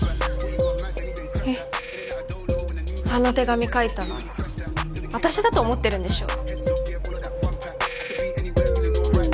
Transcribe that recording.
えっあの手紙書いたの私だと思ってるんでしょ